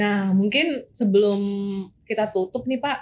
nah mungkin sebelum kita tutup nih pak